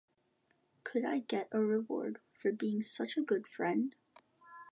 Could I get a reward for being such a good friend?